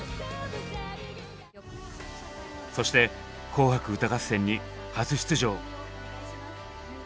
そして「紅白歌合戦」に初出場。